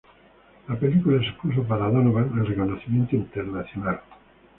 La película supuso para Donovan el reconocimiento internacional.